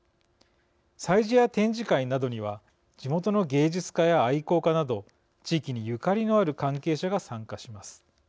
催事や展示会などには地元の芸術家や愛好家など地域にゆかりのある関係者が参加します。